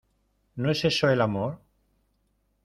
¿ no es eso el amor?